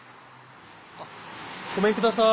あっごめんください。